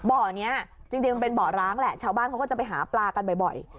บ่อนี้จริงมันเป็นบ่อร้างแหละชาวบ้านเขาก็จะไปหาปลากันบ่อย